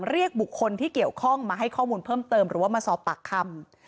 เรียกบุคคลที่เกี่ยวข้องมาให้ข้อมูลเพิ่มเติมหรือว่ามาสอบปากคำ